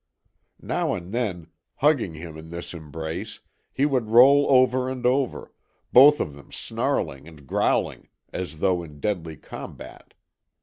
Now and then, hugging him in this embrace, he would roll over and over, both of them snarling and growling as though in deadly combat.